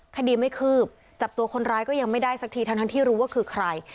คดีไม่คืบจับตัวคนร้ายก็ยังไม่ได้สักทีทั้งที่รู้ว่าคือใคร